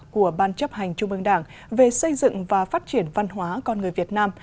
của ban chấp hành trung ương đảng về xây dựng và phát triển văn hóa con người việt nam